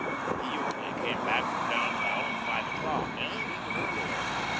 He usually came back from down town at five o'clock, and even earlier.